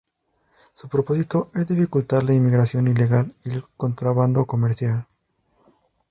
Su propósito es dificultar la inmigración ilegal y el contrabando comercial.